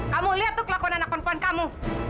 kamu lihat tuh kelakuan anak perempuan kamu